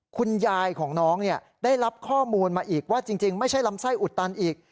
คุณยายของน้องได้รับข้อมูลมาอีกว่าจริงไม่ใช่ลำไส้อุดตันอีก